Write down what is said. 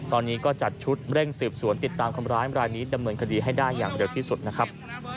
ตอนนี้ก็จัดชุดเร่งสืบสวนติดตามคนร้ายรายนี้ดำเนินคดีให้ได้อย่างเร็วที่สุดนะครับ